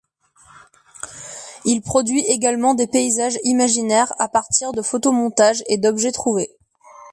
Il produit également des paysages imaginaires à partir de photomontages et d'objets trouvés.